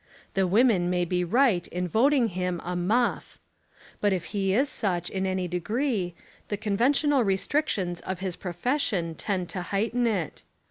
The women may be right in voting him a "muff." But if he is such in any degree, the conventional restrictions of his profession tend to heighten it.